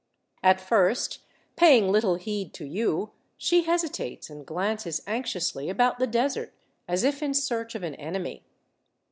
At first, paying little heed to you, she hesitates and glances anxiously about the desert as if in search of an enemy.